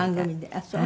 ああそう。